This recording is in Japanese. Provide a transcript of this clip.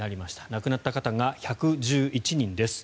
亡くなった方が１１１人です。